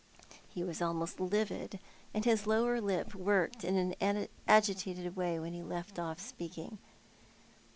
He was almost livid, and his lower lip worked in an agitated way when he left off speaking.